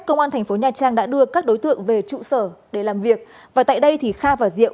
công an thành phố nha trang đã đưa các đối tượng về trụ sở để làm việc và tại đây thì kha và diệu